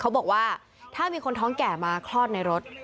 เขาบอกว่าถ้ามีคนท้องแก่มาคลอดในรถ